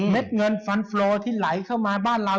เงินฟันโฟลที่ไหลเข้ามาบ้านเรา